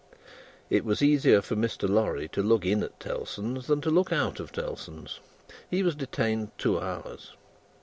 It was easier for Mr. Lorry to look in at Tellson's, than to look out of Tellson's. He was detained two hours.